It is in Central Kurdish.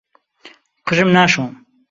قژم ناشۆم.